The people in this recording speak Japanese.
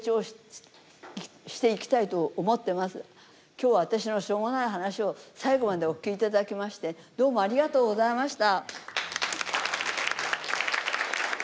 きょうは私のしょうもない話を最後までお聞きいただきましてどうもありがとうございました。